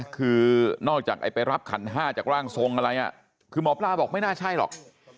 คือนอกจากไปรับขันห้าจากร่างทรงอะไรคือหมอปลาบอกไม่น่าใช่หรอก